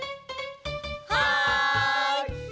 はい！